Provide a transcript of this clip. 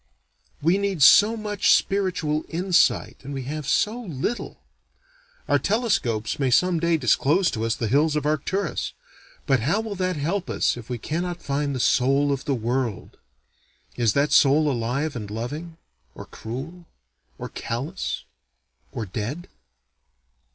We need so much spiritual insight, and we have so little. Our telescopes may some day disclose to us the hills of Arcturus, but how will that help us if we cannot find the soul of the world? Is that soul alive and loving? or cruel? or callous? or dead?